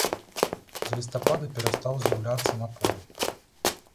З лістапада перастаў з'яўляцца на полі.